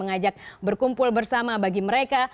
mengajak berkumpul bersama bagi mereka